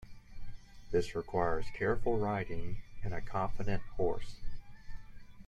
This requires careful riding and a confident horse.